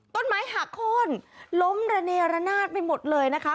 ต้นไม้หักโค้นล้มระเนระนาดไปหมดเลยนะคะ